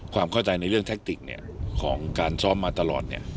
ความเข้าใจในเรื่องแท็กติกของการซ้อมมาตลอด